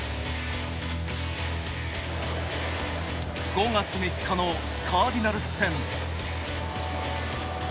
５月３日のカーディナルス戦。